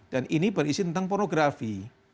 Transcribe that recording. dan ini berisi tentang pornografi